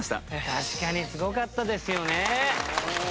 確かにすごかったですよね。